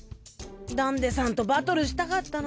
ダンデさんとバトルしたかったな。